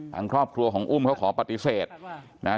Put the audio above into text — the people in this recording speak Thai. ทางครอบครัวของอุ้มเขาขอปฏิเสธนะฮะ